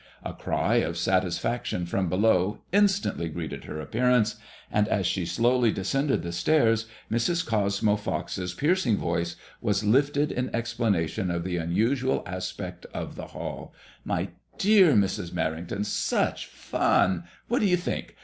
A cty of satis 6 78 MADBMOISXLLB IXK. faction from below instantly greeted her appearance, and» as she slowly descended the stairs, Mrs. Cosmo Pox's piercing voice was lifted in explanation of the unusual aspect of the hall. My dear Mrs. Merrington, such fun I What do yon think